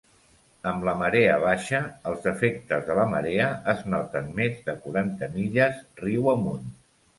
Amb la marea baixa, els efectes de la marea es noten més de quaranta milles riu amunt.